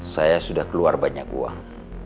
saya sudah keluar banyak uang